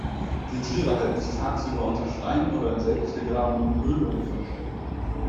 Die Tiere halten sich tagsüber unter Steinen oder in selbstgegrabenen Höhlungen versteckt.